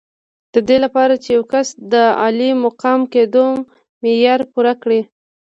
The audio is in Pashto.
د دې لپاره چې یو کس د عالي مقام کېدو معیار پوره کړي.